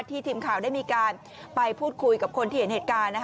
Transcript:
ทีมข่าวได้มีการไปพูดคุยกับคนที่เห็นเหตุการณ์